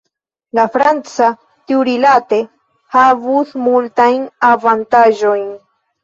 La franca, tiurilate, havus multajn avantaĝojn.